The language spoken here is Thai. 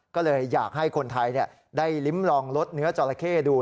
ก็เลยอยากให้คนไทยได้ลิ้มลองลดเนื้อจอราเข้ดู